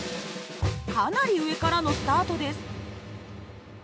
かなり上からのスタートです。